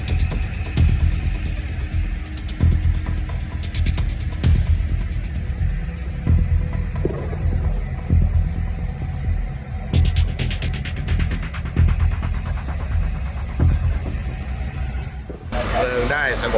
เพราะว่าเมืองนี้จะเป็นที่สุดท้าย